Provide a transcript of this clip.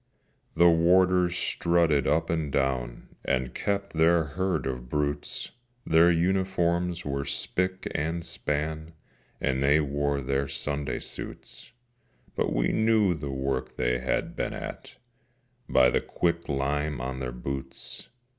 The Warders strutted up and down, And kept their herd of brutes, Their uniforms were spick and span, And they wore their Sunday suits, But we knew the work they had been at, By the quicklime on their boots.